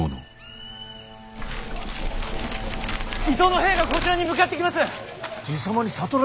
伊東の兵がこちらに向かってきます！